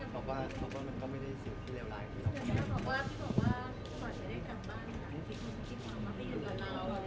เพราะว่ามันก็ไม่ได้สิ่งที่เลวร้ายกับที่น้องพูด